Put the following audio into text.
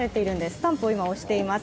スタンプを今、おしています